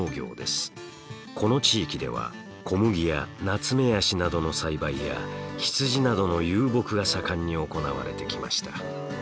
この地域では小麦やナツメヤシなどの栽培や羊などの遊牧が盛んに行われてきました。